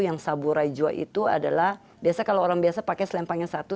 yang saburai jua itu adalah biasa kalau orang biasa pakai selempang yang satu